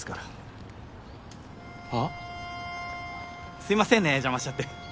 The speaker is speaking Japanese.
すいませんね邪魔しちゃって。